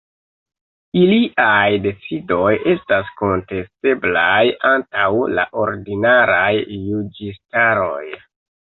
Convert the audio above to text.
Iliaj decidoj estas kontesteblaj antaŭ la ordinaraj juĝistaroj.